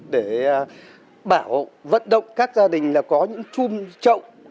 để bảo vận động các gia đình là có những chum trộm